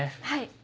はい。